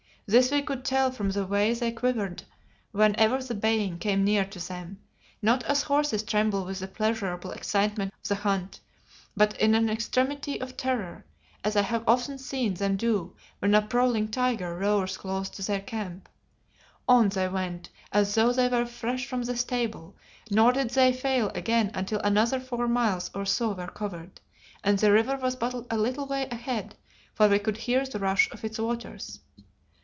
This we could tell from the way they quivered whenever the baying came near to them, not as horses tremble with the pleasureable excitement of the hunt, but in an extremity of terror, as I have often seen them do when a prowling tiger roars close to their camp. On they went as though they were fresh from the stable, nor did they fail again until another four miles or so were covered and the river was but a little way ahead, for we could hear the rush of its waters.